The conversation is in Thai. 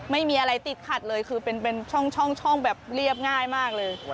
ไม่มีอะไรติดขัดเลยคือเป็นช่องแบบเรียบง่ายมากเลย